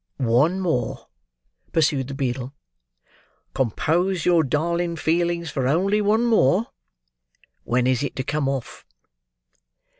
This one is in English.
"One more," pursued the beadle; "compose your darling feelings for only one more. When is it to come off?"